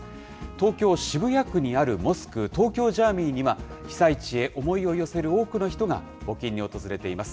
東京・渋谷区にあるモスク、東京ジャーミイには被災地へ思いを寄せる多くの人が募金に訪れています。